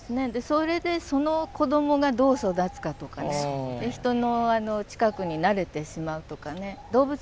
それでその子どもがどう育つかとかね人の近くに慣れてしまうとかね。